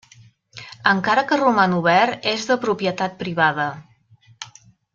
Encara que roman obert, és de propietat privada.